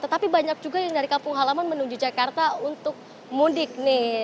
tetapi banyak juga yang dari kampung halaman menuju jakarta untuk mudik nih